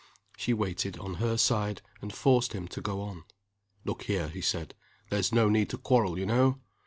She waited, on her side, and forced him to go on. "Look here," he said, "there's no need to quarrel, you know.